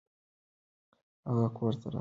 هغه کور ته راغی.